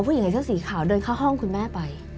ผู้หญิงให้เสื้อสีขาวเดินเข้าห้องคุณแม่ไป